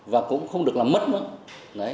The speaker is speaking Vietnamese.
và cũng không được làm mất nó